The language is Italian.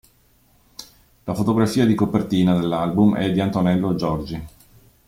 La fotografia di copertina dell'album è di Antonello Giorgi.